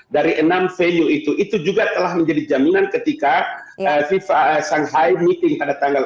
dari enam venue itu itu juga telah menjadi jaminan ketika fifa shanghai meeting pada tanggal